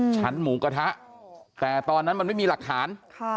หมูกระทะแต่ตอนนั้นมันไม่มีหลักฐาน